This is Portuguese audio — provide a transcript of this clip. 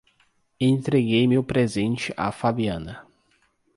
Entreguei meu presente à Fabiana